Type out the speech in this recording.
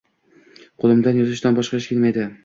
Qo‘limdan yozishdan boshqa ish kelmaydi.